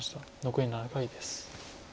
残り７回です。